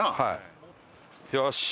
よし！